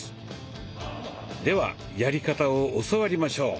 ではやり方を教わりましょう。